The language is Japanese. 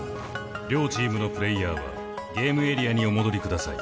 両チームのプレーヤーはゲームエリアにお戻りください。